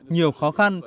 nhiều khó khăn